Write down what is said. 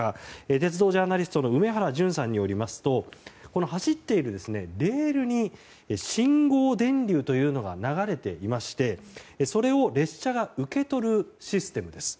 鉄道ジャーナリストの梅原淳さんによりますと走っているレールに信号電流というのが流れていましてそれを列車が受け取るシステムです。